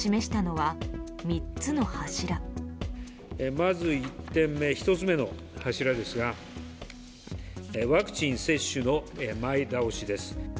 まず１点目、１つ目の柱ですがワクチン接種の前倒しです。